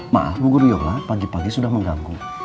maaf bu guru yola pagi pagi sudah mengganggu